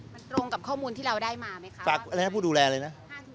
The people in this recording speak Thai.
มันตรงกับข้อมูลที่เราได้มาไหมคะฝากอะไรให้ผู้ดูแลเลยนะ